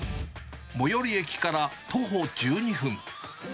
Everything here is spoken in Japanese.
最寄り駅から徒歩１２分。